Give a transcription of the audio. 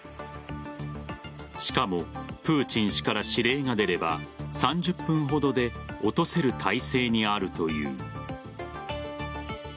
しかもプーチン氏から指令が出れば３０分ほどで落とせる態勢にあるという。